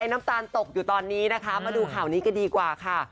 น้ำตาลตกอยู่ตอนนี้นะคะมาดูข่าวนี้กันดีกว่าค่ะ